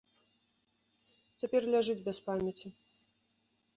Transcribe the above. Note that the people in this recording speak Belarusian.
Цяпер ляжыць без памяці.